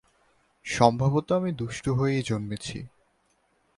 সম্ভবত আমি দুষ্টু হয়েই জন্মেছি।